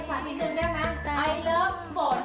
อายมากอายมาก